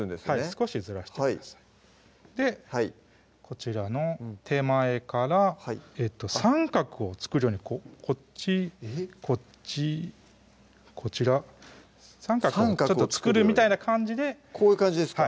少しずらしてくださいでこちらの手前から三角を作るようにこっちこっちこちら三角を作るみたいな感じでこういう感じですか？